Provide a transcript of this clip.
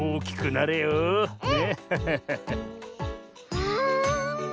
わあ。